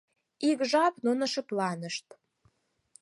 Ик жап нуно шыпланышт.